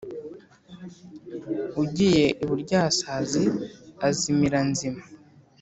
Ugiye iburyasazi azimira nzima.